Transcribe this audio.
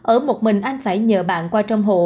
ở một mình anh phải nhờ bạn qua trong hộ